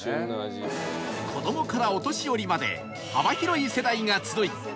子どもからお年寄りまで幅広い世代が集い